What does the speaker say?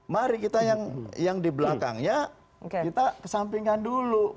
mari kita yang di belakangnya kita kesampingkan dulu